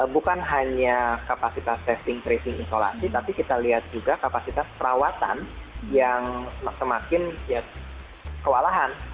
bukan hanya kapasitas testing tracing isolasi tapi kita lihat juga kapasitas perawatan yang semakin ya kewalahan